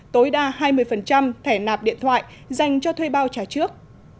tối đa hai mươi thẻ nạp điện thoại dành cho thuê bao trả trước